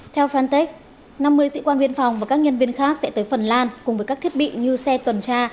theo frontex năm mươi sĩ quan biên phòng và các nhân viên khác sẽ tới phần lan cùng với các thiết bị như xe tuần tra